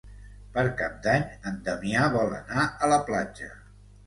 Per Cap d'Any en Damià vol anar a la platja.